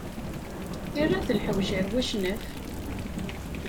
Irra-t lḥewj ar wacnaf.